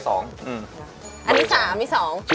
อันที่๓อีก๒๓๒